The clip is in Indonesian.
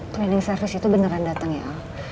cleaning service itu beneran datang ya al